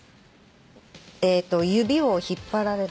指を引っ張られ。